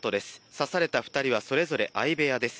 刺された２人はそれぞれ相部屋です。